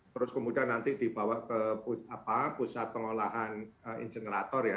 terus kemudian nanti dibawa ke pusat pengolahan ingenerator ya